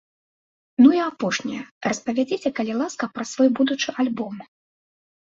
Ну, і апошняе, распавядзіце, калі ласка, пра свой будучы альбом.